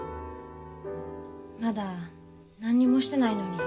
まだ何にもしてないのに。